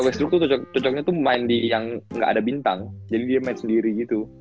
wessdruck tuh cocoknya main di yang gak ada bintang jadi dia main sendiri gitu